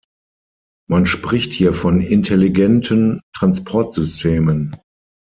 Man spricht hier von intelligenten Transportsystemen.